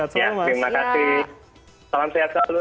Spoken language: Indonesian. terima kasih salam sehat selalu